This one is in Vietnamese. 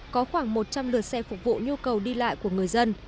có khoảng một trăm linh lượt xe phục vụ nhu cầu đi lại của người dân